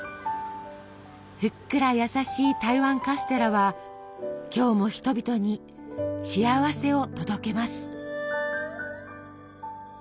ふっくら優しい台湾カステラは今日も人々に幸せを届けます。